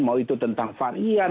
mau itu tentang varian